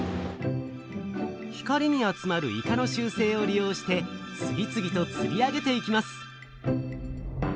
光に集まるイカの習せいを利用して次々とつり上げていきます。